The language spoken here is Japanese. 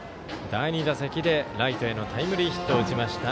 第２打席でライトへのタイムリーヒットを打ちました。